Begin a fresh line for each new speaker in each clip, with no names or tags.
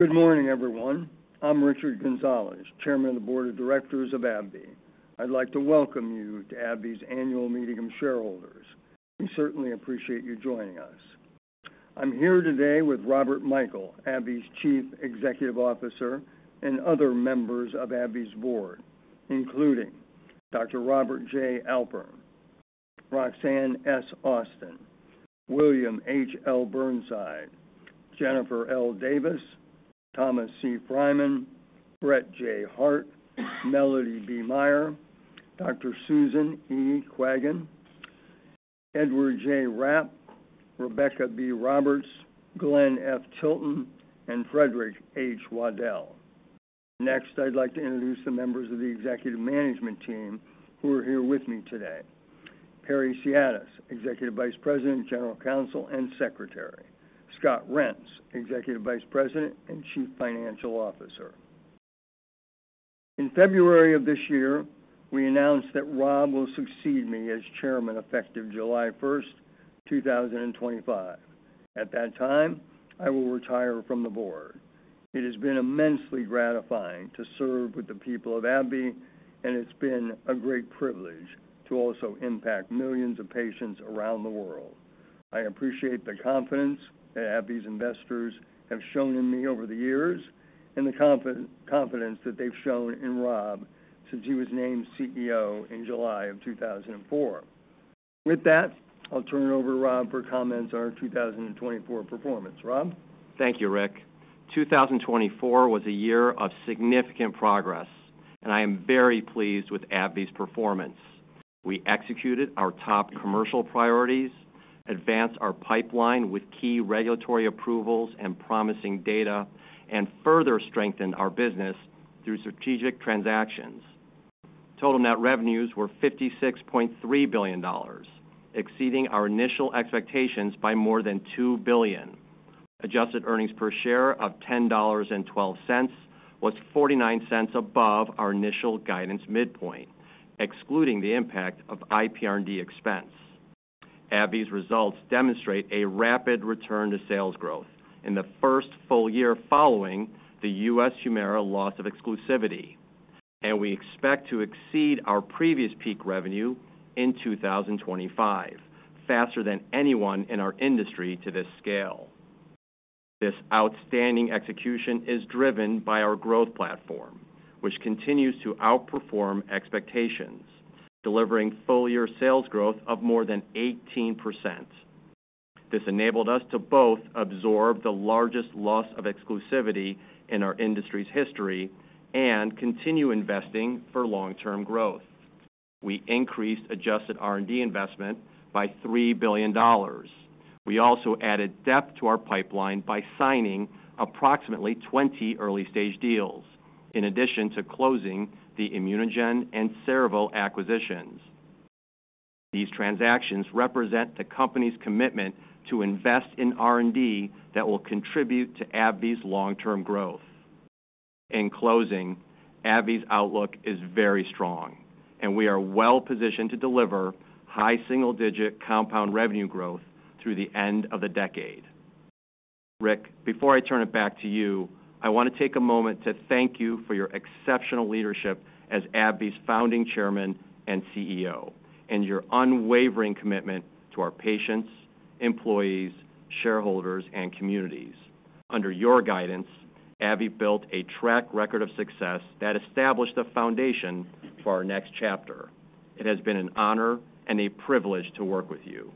Good morning, everyone. I'm Richard Gonzalez, Chairman of the Board of Directors of AbbVie. I'd like to welcome you to AbbVie's annual meeting of shareholders. We certainly appreciate you joining us. I'm here today with Robert Michael, AbbVie's Chief Executive Officer, and other members of AbbVie's board, including Dr. Robert J. Alpern, Roxanne S. Austin, William H. L. Burnside, Jennifer L. Davis, Thomas C. Freiman, Brett J. Hart, Melody B. Meyer, Dr. Susan E. Quaggen, Edward J. Rapp, Rebecca B. Roberts, Glenn F. Tilton, and Frederick H. Waddell. Next, I'd like to introduce the members of the executive management team who are here with me today: Perry Siatis, Executive Vice President, General Counsel, and Secretary; Scott Reents, Executive Vice President and Chief Financial Officer. In February of this year, we announced that Rob will succeed me as Chairman effective July 1, 2025. At that time, I will retire from the board. It has been immensely gratifying to serve with the people of AbbVie, and it's been a great privilege to also impact millions of patients around the world. I appreciate the confidence that AbbVie's investors have shown in me over the years and the confidence that they've shown in Rob since he was named CEO in July of 2004. With that, I'll turn it over to Rob for comments on our 2024 performance. Rob?
Thank you, Rick. 2024 was a year of significant progress, and I am very pleased with AbbVie's performance. We executed our top commercial priorities, advanced our pipeline with key regulatory approvals and promising data, and further strengthened our business through strategic transactions. Total net revenues were $56.3 billion, exceeding our initial expectations by more than $2 billion. Adjusted earnings per share of $10.12 was $0.49 above our initial guidance midpoint, excluding the impact of IPR&D expense. AbbVie's results demonstrate a rapid return to sales growth in the first full year following the U.S. Humira loss of exclusivity, and we expect to exceed our previous peak revenue in 2025 faster than anyone in our industry to this scale. This outstanding execution is driven by our growth platform, which continues to outperform expectations, delivering full-year sales growth of more than 18%. This enabled us to both absorb the largest loss of exclusivity in our industry's history and continue investing for long-term growth. We increased adjusted R&D investment by $3 billion. We also added depth to our pipeline by signing approximately 20 early-stage deals, in addition to closing the ImmunoGen and Cerevel acquisitions. These transactions represent the company's commitment to invest in R&D that will contribute to AbbVie's long-term growth. In closing, AbbVie's outlook is very strong, and we are well-positioned to deliver high single-digit compound revenue growth through the end of the decade. Rick, before I turn it back to you, I want to take a moment to thank you for your exceptional leadership as AbbVie's founding Chairman and CEO and your unwavering commitment to our patients, employees, shareholders, and communities. Under your guidance, AbbVie built a track record of success that established a foundation for our next chapter. It has been an honor and a privilege to work with you.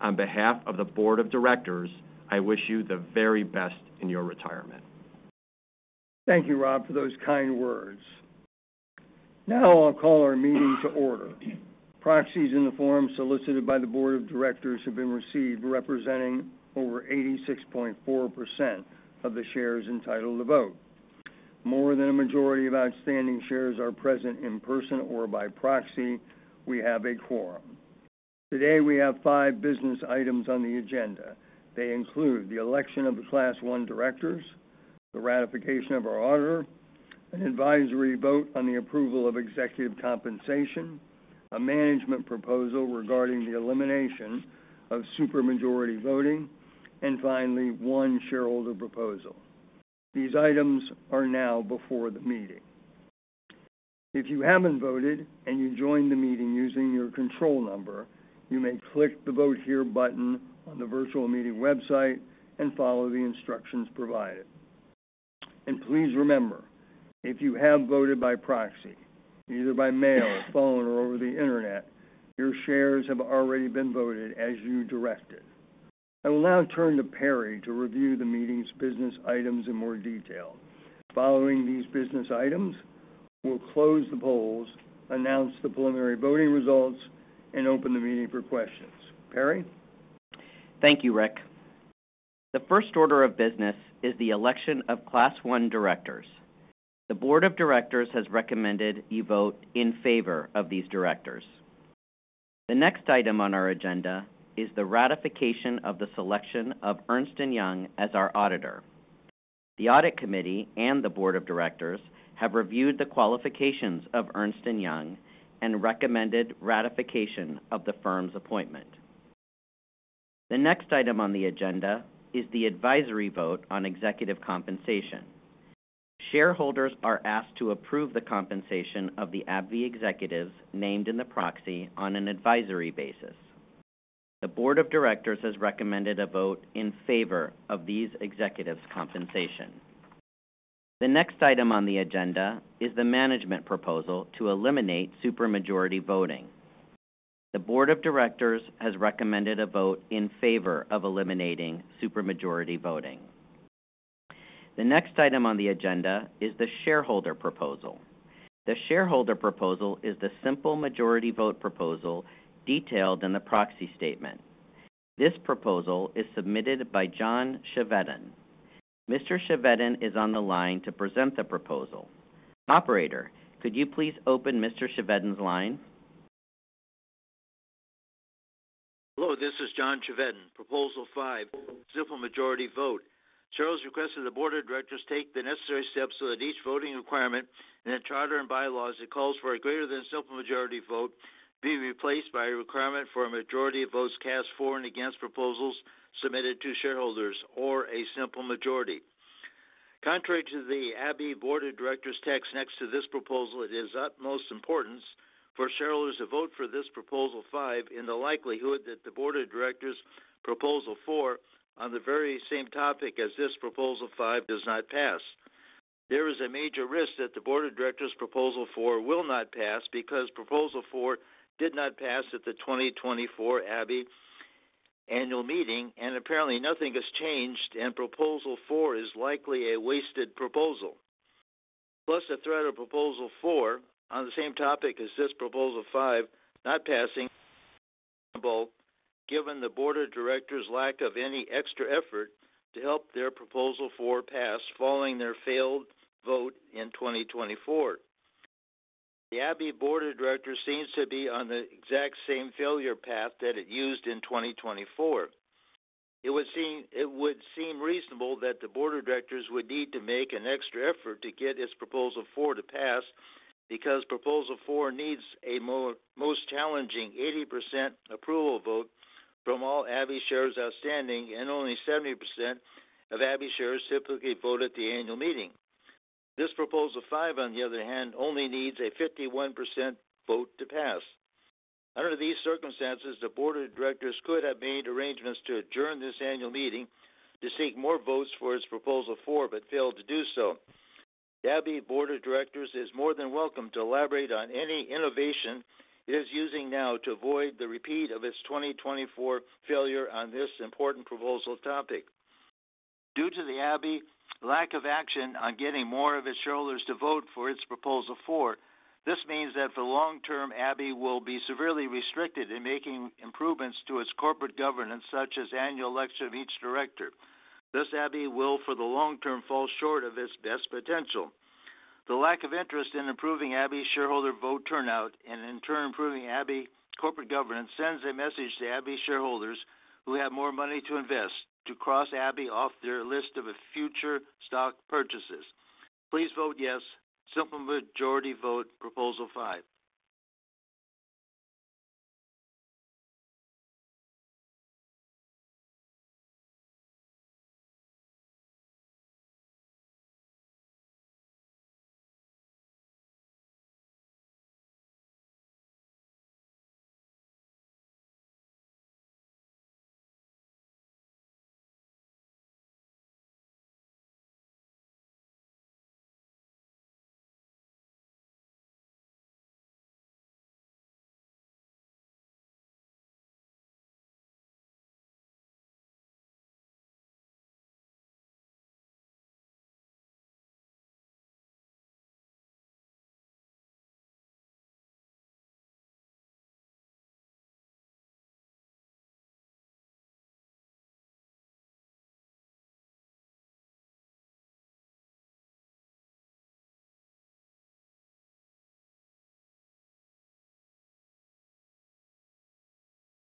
On behalf of the Board of Directors, I wish you the very best in your retirement.
Thank you, Rob, for those kind words. Now I'll call our meeting to order. Proxies in the form solicited by the Board of Directors have been received, representing over 86.4% of the shares entitled to vote. More than a majority of outstanding shares are present in person or by proxy. We have a quorum. Today, we have five business items on the agenda. They include the election of the Class 1 directors, the ratification of our auditor, an advisory vote on the approval of executive compensation, a management proposal regarding the elimination of supermajority voting, and finally, one shareholder proposal. These items are now before the meeting. If you haven't voted and you joined the meeting using your control number, you may click the Vote Here button on the virtual meeting website and follow the instructions provided. Please remember, if you have voted by proxy, either by mail, phone, or over the internet, your shares have already been voted as you directed. I will now turn to Perry to review the meeting's business items in more detail. Following these business items, we will close the polls, announce the preliminary voting results, and open the meeting for questions. Perry?
Thank you, Rick. The first order of business is the election of Class 1 directors. The Board of Directors has recommended you vote in favor of these directors. The next item on our agenda is the ratification of the selection of Ernst & Young as our auditor. The audit committee and the Board of Directors have reviewed the qualifications of Ernst & Young and recommended ratification of the firm's appointment. The next item on the agenda is the advisory vote on executive compensation. Shareholders are asked to approve the compensation of the AbbVie executives named in the proxy on an advisory basis. The Board of Directors has recommended a vote in favor of these executives' compensation. The next item on the agenda is the management proposal to eliminate supermajority voting. The Board of Directors has recommended a vote in favor of eliminating supermajority voting. The next item on the agenda is the shareholder proposal. The shareholder proposal is the simple majority vote proposal detailed in the proxy statement. This proposal is submitted by John Chevedden. Mr. Cheveden is on the line to present the proposal. Operator, could you please open Mr. Cheveden's line?
Hello, this is John Chevedden. Proposal five, simple majority vote. Charles requested the Board of Directors take the necessary steps so that each voting requirement in the charter and bylaws that calls for a greater than simple majority vote be replaced by a requirement for a majority of votes cast for and against proposals submitted to shareholders or a simple majority. Contrary to the AbbVie Board of Directors text next to this proposal, it is of utmost importance for shareholders to vote for this proposal five in the likelihood that the Board of Directors' proposal four, on the very same topic as this proposal five, does not pass. There is a major risk that the Board of Directors' proposal four will not pass because proposal four did not pass at the 2024 AbbVie annual meeting, and apparently nothing has changed, and proposal four is likely a wasted proposal. Plus, the threat of proposal four, on the same topic as this proposal five, not passing, given the Board of Directors' lack of any extra effort to help their proposal four pass following their failed vote in 2024. The AbbVie Board of Directors seems to be on the exact same failure path that it used in 2024. It would seem reasonable that the Board of Directors would need to make an extra effort to get its proposal four to pass because proposal four needs a most challenging 80% approval vote from all AbbVie shares outstanding, and only 70% of AbbVie shares typically vote at the annual meeting. This proposal five, on the other hand, only needs a 51% vote to pass. Under these circumstances, the Board of Directors could have made arrangements to adjourn this annual meeting to seek more votes for its proposal four but failed to do so. The AbbVie Board of Directors is more than welcome to elaborate on any innovation it is using now to avoid the repeat of its 2024 failure on this important proposal topic. Due to the AbbVie lack of action on getting more of its shareholders to vote for its proposal four, this means that for long term, AbbVie will be severely restricted in making improvements to its corporate governance, such as annual election of each director. Thus, AbbVie will, for the long term, fall short of its best potential. The lack of interest in improving AbbVie's shareholder vote turnout and, in turn, improving AbbVie's corporate governance sends a message to AbbVie shareholders who have more money to invest to cross AbbVie off their list of future stock purchases. Please vote yes, simple majority vote proposal five.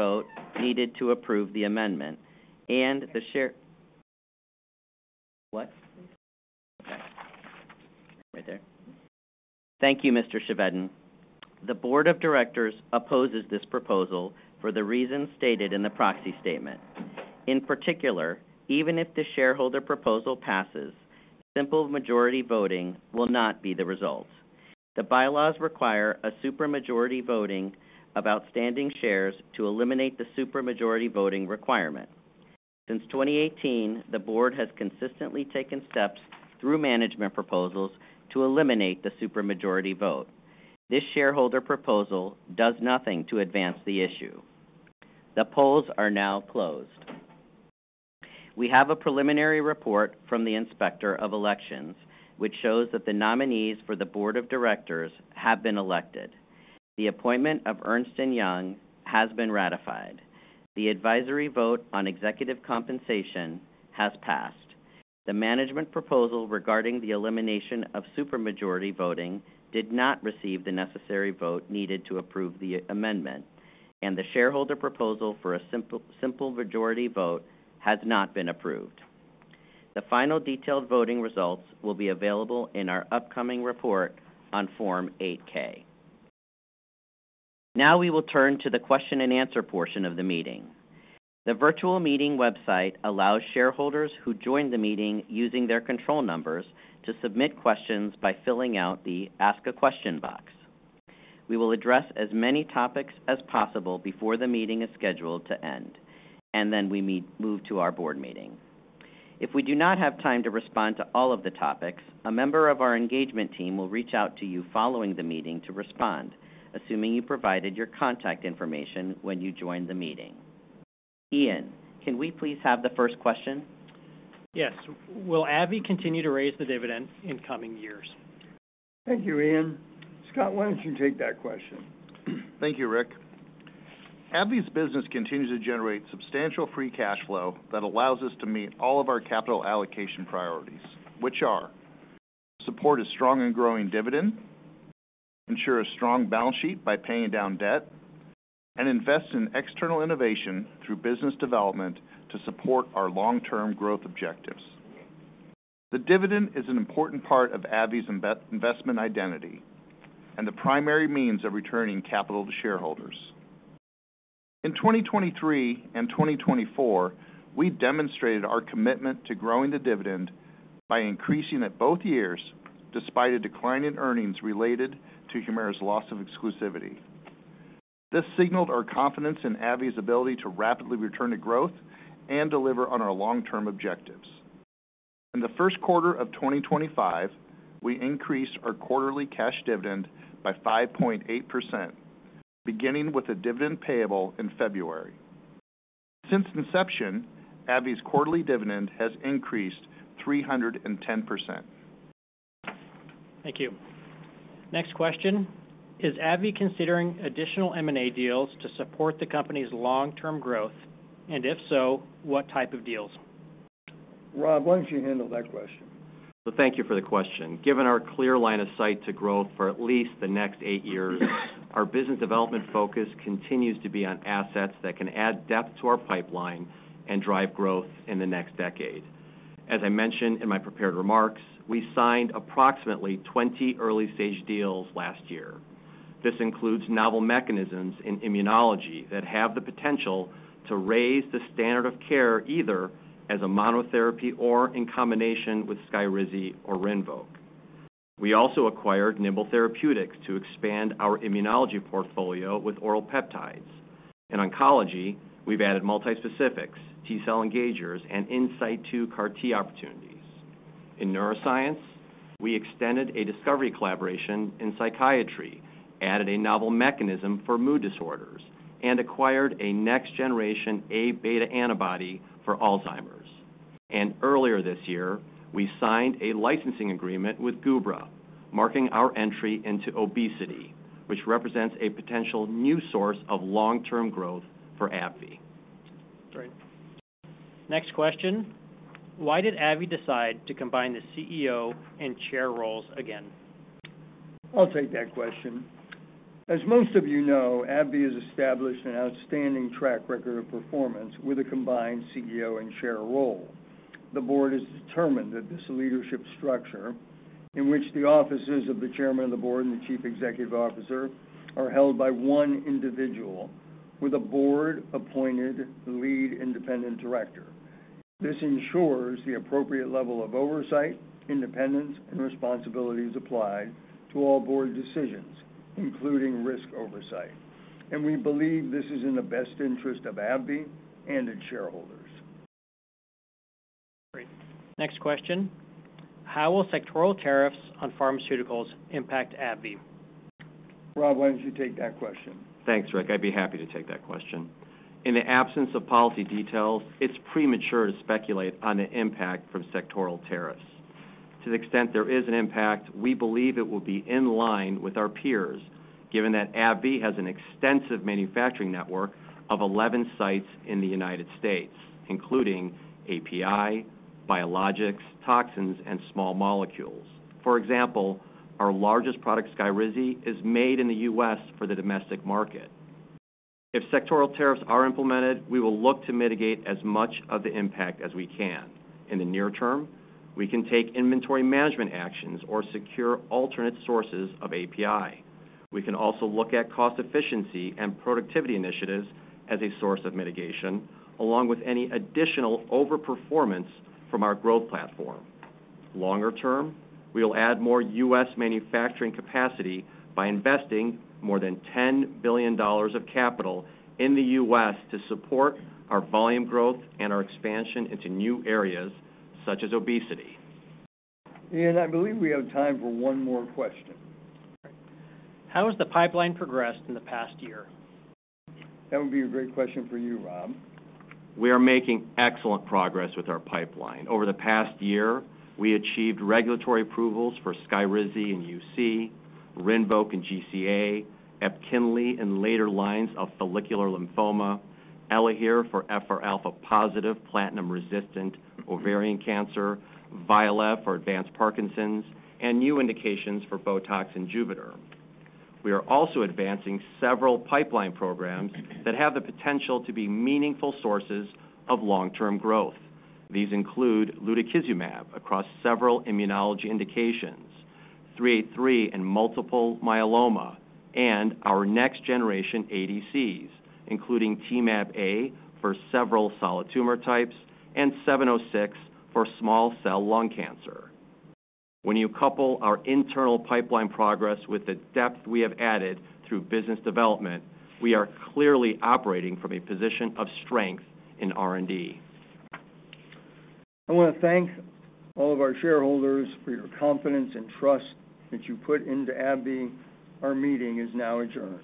Vote needed to approve the amendment and the share—what?
Okay. Right there. Thank you, Mr. Chevedden. The Board of Directors opposes this proposal for the reasons stated in the proxy statement. In particular, even if the shareholder proposal passes, simple majority voting will not be the result. The bylaws require a supermajority voting of outstanding shares to eliminate the supermajority voting requirement. Since 2018, the Board has consistently taken steps through management proposals to eliminate the supermajority vote. This shareholder proposal does nothing to advance the issue. The polls are now closed. We have a preliminary report from the Inspector of Elections, which shows that the nominees for the Board of Directors have been elected. The appointment of Ernst & Young has been ratified. The advisory vote on executive compensation has passed. The management proposal regarding the elimination of supermajority voting did not receive the necessary vote needed to approve the amendment, and the shareholder proposal for a simple majority vote has not been approved. The final detailed voting results will be available in our upcoming report on Form 8K. Now we will turn to the question-and-answer portion of the meeting. The virtual meeting website allows shareholders who joined the meeting using their control numbers to submit questions by filling out the Ask a Question box. We will address as many topics as possible before the meeting is scheduled to end, and then we move to our board meeting. If we do not have time to respond to all of the topics, a member of our engagement team will reach out to you following the meeting to respond, assuming you provided your contact information when you joined the meeting. Ian, can we please have the first question?
Yes. Will AbbVie continue to raise the dividend in coming years?
Thank you, Ian. Scott, why don't you take that question?
Thank you, Rick. AbbVie's business continues to generate substantial free cash flow that allows us to meet all of our capital allocation priorities, which are support a strong and growing dividend, ensure a strong balance sheet by paying down debt, and invest in external innovation through business development to support our long-term growth objectives. The dividend is an important part of AbbVie's investment identity and the primary means of returning capital to shareholders. In 2023 and 2024, we demonstrated our commitment to growing the dividend by increasing it both years despite a decline in earnings related to Humira's loss of exclusivity. This signaled our confidence in AbbVie's ability to rapidly return to growth and deliver on our long-term objectives. In the first quarter of 2025, we increased our quarterly cash dividend by 5.8%, beginning with a dividend payable in February. Since inception, AbbVie's quarterly dividend has increased 310%.
Thank you. Next question. Is AbbVie considering additional M&A deals to support the company's long-term growth? If so, what type of deals?
Rob, why don't you handle that question?
Thank you for the question. Given our clear line of sight to growth for at least the next eight years, our business development focus continues to be on assets that can add depth to our pipeline and drive growth in the next decade. As I mentioned in my prepared remarks, we signed approximately 20 early-stage deals last year. This includes novel mechanisms in immunology that have the potential to raise the standard of care either as a monotherapy or in combination with Skyrizi or Rinvoq. We also acquired Nimble Therapeutics to expand our immunology portfolio with oral peptides. In oncology, we've added multispecifics, T-cell engagers, and in situ CAR-T opportunities. In neuroscience, we extended a discovery collaboration in psychiatry, added a novel mechanism for mood disorders, and acquired a next-generation A-beta antibody for Alzheimer's. Earlier this year, we signed a licensing agreement with Gubra, marking our entry into obesity, which represents a potential new source of long-term growth for AbbVie.
Great. Next question. Why did AbbVie decide to combine the CEO and chair roles again?
I'll take that question. As most of you know, AbbVie has established an outstanding track record of performance with a combined CEO and chair role. The board has determined that this leadership structure in which the offices of the chairman of the board and the chief executive officer are held by one individual with a board-appointed lead independent director. This ensures the appropriate level of oversight, independence, and responsibilities applied to all board decisions, including risk oversight. We believe this is in the best interest of AbbVie and its shareholders.
Great. Next question. How will sectoral tariffs on pharmaceuticals impact AbbVie?
Rob, why don't you take that question?
Thanks, Rick. I'd be happy to take that question. In the absence of policy details, it's premature to speculate on the impact from sectoral tariffs. To the extent there is an impact, we believe it will be in line with our peers, given that AbbVie has an extensive manufacturing network of 11 sites in the U.S., including API, biologics, toxins, and small molecules. For example, our largest product, Skyrizi, is made in the U.S. for the domestic market. If sectoral tariffs are implemented, we will look to mitigate as much of the impact as we can. In the near term, we can take inventory management actions or secure alternate sources of API. We can also look at cost-efficiency and productivity initiatives as a source of mitigation, along with any additional overperformance from our growth platform. Longer term, we will add more U.S. manufacturing capacity by investing more than $10 billion of capital in the U.S. to support our volume growth and our expansion into new areas such as obesity.
Ian, I believe we have time for one more question.
How has the pipeline progressed in the past year?
That would be a great question for you, Rob.
We are making excellent progress with our pipeline. Over the past year, we achieved regulatory approvals for Skyrizi in UC, Rinvoq in GCA, Epkinly in later lines of follicular lymphoma, Elahere for FR-alpha positive platinum-resistant ovarian cancer, tavapadon for advanced Parkinson's, and new indications for Botox and Juvederm. We are also advancing several pipeline programs that have the potential to be meaningful sources of long-term growth. These include lutikizumab across several immunology indications, 383 in multiple myeloma, and our next-generation ADCs, including TMAP-A for several solid tumor types and 706 for small cell lung cancer. When you couple our internal pipeline progress with the depth we have added through business development, we are clearly operating from a position of strength in R&D.
I want to thank all of our shareholders for your confidence and trust that you put into AbbVie. Our meeting is now adjourned.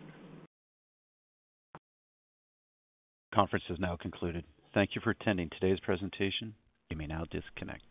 The conference has now concluded. Thank you for attending today's presentation. You may now disconnect.